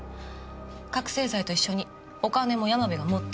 覚せい剤と一緒にお金も山部が持ってったって。